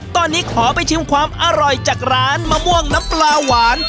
ตอนนี้ขอไปชิมความอร่อยจากร้านมะม่วงน้ำปลาหวาน